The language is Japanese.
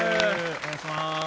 お願いします。